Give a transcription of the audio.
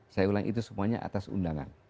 saya ulangi itu semuanya atas undangan